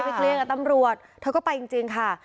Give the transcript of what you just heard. เคลียร์กับตำรวจเธอก็ไปจริงค่ะ